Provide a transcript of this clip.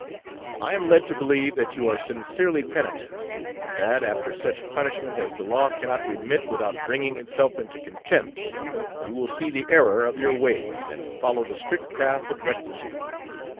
I am led to believe that you are sincerely penitent, and that, after such punishment as the law cannot remit without bringing itself into contempt, you will see the error of your ways and follow the strict path of rectitude.